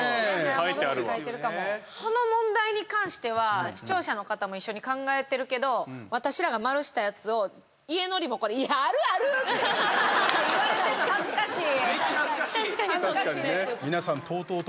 この問題に関しては視聴者の方も一緒に考えてるけど私らが丸したやつを家のリモコンで「いや！あるある」って言われてるの恥ずかしい！